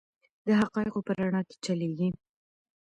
د حقایقو په رڼا کې چلیږي.